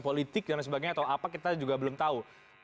politik dan sebagainya atau apa kita juga belum tahu